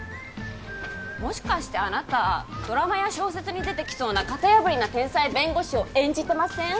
もしかしてあなたドラマや小説に出てきそうな型破りな天才弁護士を演じてません？